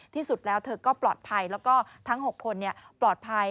ที่สุดแล้วเธอก็ปลอดภัยแล้วก็ทั้ง๖คนปลอดภัย